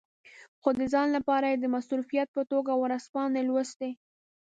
خو د ځان لپاره یې د مصروفیت په توګه ورځپاڼې لوستې.